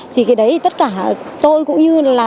thì cái đấy tất cả tôi cũng như là